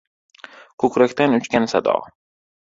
Ko‘krakdan uchgan sado